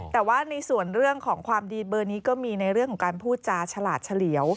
แต่ว่าในส่วนเรื่องของความดีเบอร์นี้ก็มีในเรื่องของการพูดจาฉลาดเฉลี่ยว